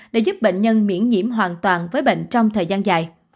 đã giúp bệnh nhân miễn nhiễm hoàn toàn với bệnh trong thời gian dài